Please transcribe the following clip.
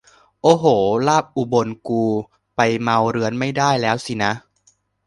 โอ้โห ลาบอุบลกู ไปเมาเรื้อนไม่ได้แล้วสินะ